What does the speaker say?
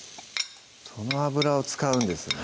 その油を使うんですね